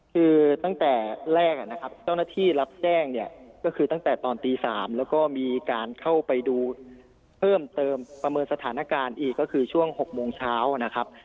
คือตั้งแต่แรกนะครับเจ้าหน้าที่รับแจ้งเนี่ยก็คือตั้งแต่ตอนตี๓แล้วก็มีการเข้าไปดูเพิ่มเติมประเมินสถานการณ์อีกก็คือช่วง๖โมงเช้านะครับ